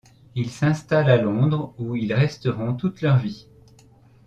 Ils s'installent à Londres où ils resteront toute leur vie.